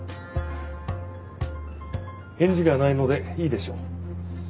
返事がないのでいいでしょう。